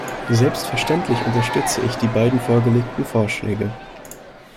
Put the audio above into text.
Selbstverständlich unterstütze ich die beiden vorgelegten Vorschläge.